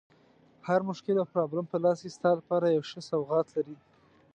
هر مشکل او پرابلم په لاس کې ستا لپاره یو ښه سوغات لري.